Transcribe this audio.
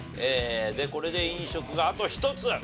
でこれで飲食があと１つ。